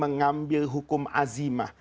mengambil hukum azimah